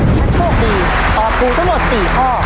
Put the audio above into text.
ถ้าโชคดีตอบถูกทั้งหมด๔ข้อ